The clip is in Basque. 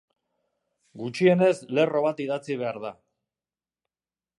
Gutxienez lerro bat idatzi behar da.